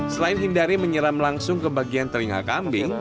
selain hindari menyeram langsung ke bagian telinga kambing